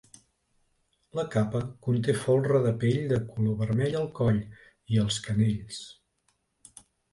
La capa conté folre de pell de color vermell al coll i els canells.